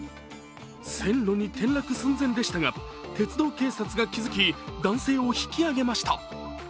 線路に転落寸前でしたが、鉄道警察が気づき男性を引き上げました。